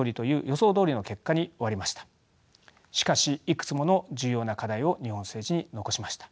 しかしいくつもの重要な課題を日本政治に残しました。